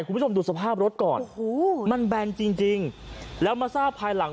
คุณผู้ชมดูสภาพรถก่อนโอ้โหมันแบนจริงจริงแล้วมาทราบภายหลัง